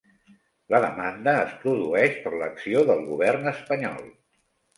La demanda es produeix per l'acció del govern espanyol